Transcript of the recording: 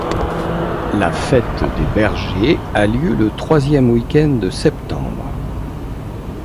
La fête des bergers a lieu le troisième week-end de septembre.